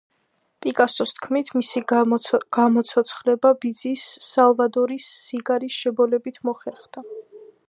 პიკასოს თქმით, მისი გამოცოცხლება ბიძის, სალვადორის სიგარის შებოლებით მოხერხდა.